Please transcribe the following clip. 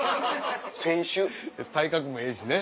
体格もええしね。